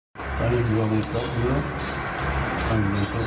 อ๋อหนังเนี่ยต้องใช้มันขายอาวกอล